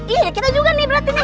iya kita juga nih berarti nih